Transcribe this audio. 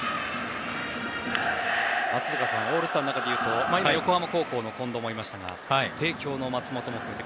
松坂さんオールスターの中でいうと横浜高校の近藤もいましたが帝京の松本もいて。